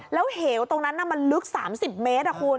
แล้วเหวตรงนั้นมันลึก๓๐เมตรคุณ